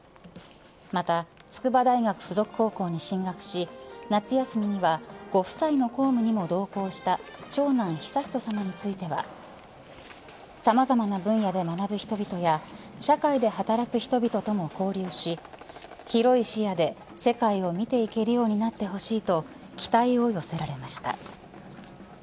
また、筑波大学附属高校に進学し夏休みにはご夫妻の公務にも同行した長男、悠仁さまについてはさまざまな分野で学ぶ人々や社会で働く人々とも交流し広い視野で世界を見ていけるようになってほしいと期待を寄せられました。